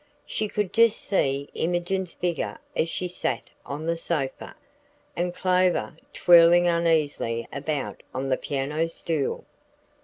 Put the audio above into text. She could just see Imogen's figure as she sat on the sofa, and Clover twirling uneasily about on the piano stool.